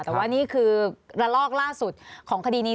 แต่ว่านี่คือระลอกล่าสุดของคดีนี้